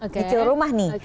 nyicil rumah nih